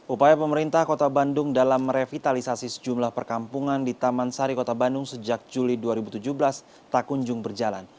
upaya pemerintah kota bandung dalam merevitalisasi sejumlah perkampungan di taman sari kota bandung sejak juli dua ribu tujuh belas tak kunjung berjalan